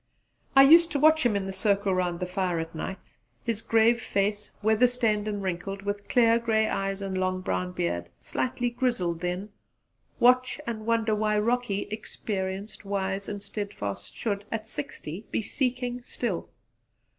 I used to watch him in the circle round the fire at nights, his face grave, weather stained and wrinkled, with clear grey eyes and long brown beard, slightly grizzled then watch and wonder why Rocky, experienced, wise and steadfast, should at sixty be seeking still.